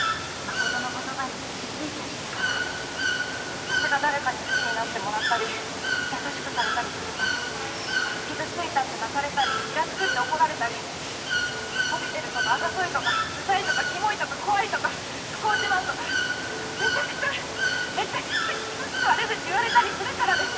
私が誰かに好きになってもらったり優しくされたりすると傷ついたって泣かれたりイラつくって怒られたりこびてるとかあざといとかうざいとかキモいとか怖いとか不幸自慢とかめちゃくちゃめちゃくちゃ傷つく悪口言われたりするからです！